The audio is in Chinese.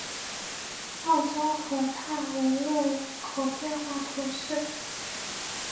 奥宗河畔维勒人口变化图示